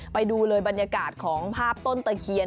ไปดูเลยบรรยากาศของภาพต้นตะเคียน